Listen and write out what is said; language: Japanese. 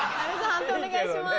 判定お願いします。